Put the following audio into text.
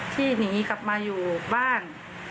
ที่หนีกลับมาอยู่บ้าน